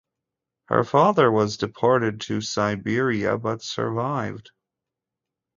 Her father was deported to Siberia but survived.